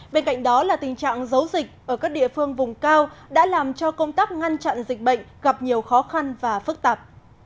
bên cạnh đó là tình trạng giấu dịch ở các địa phương vùng cao đã làm cho công tác ngăn chặn dịch bệnh gặp nhiều khó khăn và phức tạp